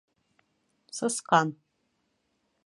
Сысҡан.